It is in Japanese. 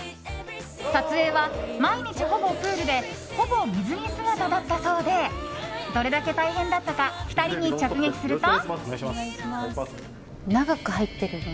撮影は毎日ほぼプールでほぼ水着姿だったそうでどれだけ大変だったか２人に直撃すると。